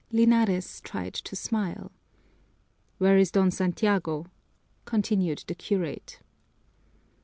Linares tried to smile. "Where is Don Santiago?" continued the curate.